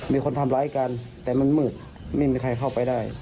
มีคนทำร้ายกันแต่มันมืดไม่มีใครเข้าไปได้